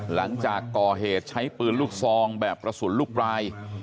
หลังจากก่อเหตุใช้ปืนลูกซองแบบกระสุนลูกปลาย